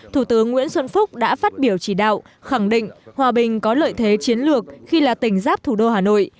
thủ tướng nguyễn xuân phúc đã phát biểu chỉ đạo khẳng định hòa bình có lợi thế chiến lược khi là tỉnh giáp thủ đô hà nội